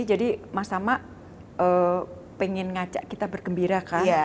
jadi mas tama ingin mengajak kita bergembira kan